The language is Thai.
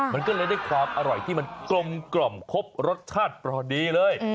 มันก็เลยได้ความอร่อยที่มันกลมกล่อมครบรสชาติพอดีเลย